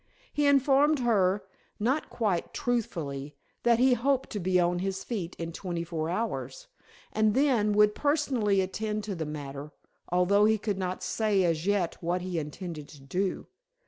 He informed her not quite truthfully that he hoped to be on his feet in twenty four hours, and then would personally attend to the matter, although he could not say as yet what he intended to do.